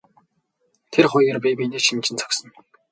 Тэр хоёр бие биенээ шинжин зогсов.